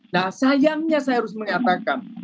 nah sayangnya saya harus mengatakan